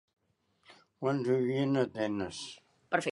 Quants vivien a Atenes?